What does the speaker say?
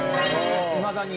いまだに？